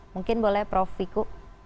mungkin boleh prof wiko